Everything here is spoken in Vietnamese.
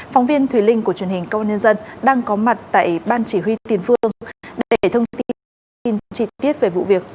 phóng viên thùy linh của truyền hình công an nhân dân đang có mặt tại ban chỉ huy tiền phương để thông tin chi tiết về vụ việc